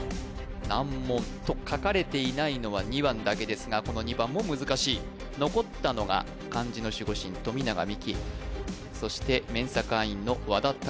難問と書かれていないのは２番だけですがこの２番も難しい残ったのが漢字の守護神富永美樹そしてＭＥＮＳＡ会員の和田拓